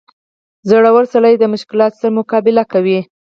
• زړور سړی د مشکلاتو سره مقابله کوي.